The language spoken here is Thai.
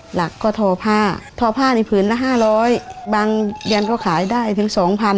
หลักก็ทอผ้าทอผ้าในผืนละ๕๐๐บางเดือนก็ขายได้ถึง๒๐๐